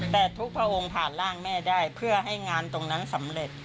แต่ทุกพระองค์ผ่านร่างแม่ได้เพื่อให้งานตรงนั้นสำเร็จ